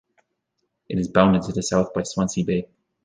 It is bounded to the south by Swansea Bay.